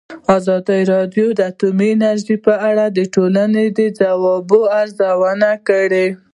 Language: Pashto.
ازادي راډیو د اټومي انرژي په اړه د ټولنې د ځواب ارزونه کړې.